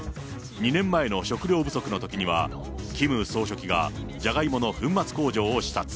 ２年前の食料不足のときには、キム総書記がじゃがいもの粉末工場を視察。